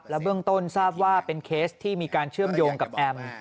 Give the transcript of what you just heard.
เบื้องต้นทราบว่าเป็นเคสที่มีการเชื่อมโยงกับแอม